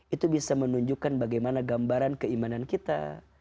itu bisa menunjukkan bagaimana gambaran keimanan kita